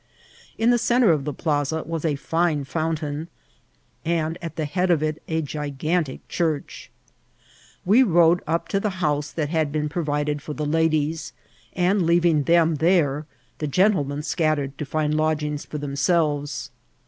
In the centre of the plaza was a fine fountain, and at the head of it a g^^antic church. We rode up to the house that had been prc^ vided for the ladies, and, leaving them there, the gen tlemen scattered to find lodgings for themselves.